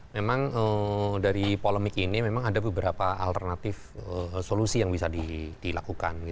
memang dari polemik ini memang ada beberapa alternatif solusi yang bisa dilakukan